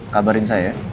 kabarin saya ya